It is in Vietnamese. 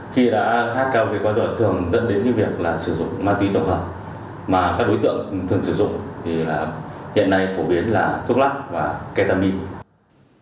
khi đã hát karaoke quá rộng thường dẫn đến việc sử dụng ma túy tổng hợp mà các đối tượng thường sử dụng hiện nay phổ biến là thuốc lắc và ketamine